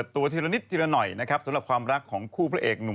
แต่นิ่งไป